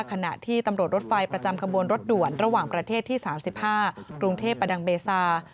ขณะที่ตำรวจรถไฟประจำขบวนรถด่วนระหว่างประเทศที่๓๕กรุงเทพประดังเบซา